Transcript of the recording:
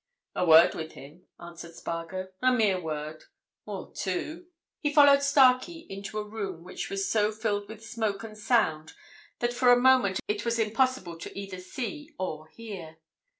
"A word with him," answered Spargo. "A mere word—or two." He followed Starkey into a room which was so filled with smoke and sound that for a moment it was impossible to either see or hear.